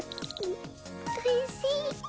おいしい。